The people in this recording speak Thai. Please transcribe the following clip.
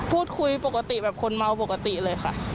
พูดคุยปกติแบบคนเมาปกติเลยค่ะ